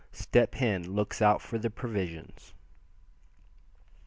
STEP HEN LOOKS OUT FOR THE PROVISIONS.